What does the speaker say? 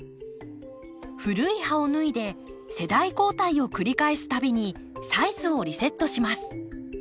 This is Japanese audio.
古い葉を脱いで世代交代を繰り返す度にサイズをリセットします。